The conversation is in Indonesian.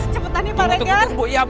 cepetan nih mereka